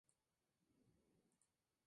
Cuenta con un pequeño museo arqueológico.